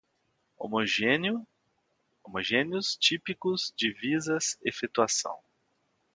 homogêneos, típicos, divisas, efetuação